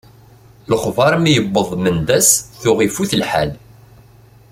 Lexbar mi yewweḍ Mendas tuɣ ifut lḥal.